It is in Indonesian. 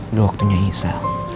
udah waktunya isa